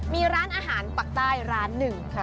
มีร้านอาหารปักใต้ร้านหนึ่งค่ะ